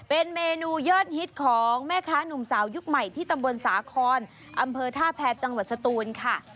เป็นเมนูยอดฮิตของแม่ค้าหนุ่มสาวยุคใหม่ที่ตำบลสาคอนอำเภอท่าแพรจังหวัดสตูนค่ะ